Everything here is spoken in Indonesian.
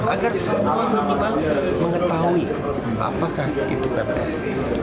agar semua minimal mengetahui apakah itu pps